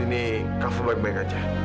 saat ini kak fah baik baik aja